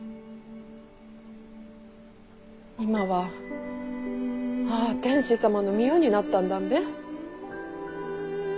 今ははあ天子様の御代になったんだんべ？